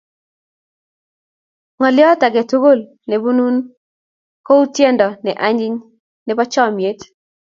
Ng'alyot ake tukul nepunun kou tyendo ne anyiny ne po chomyet.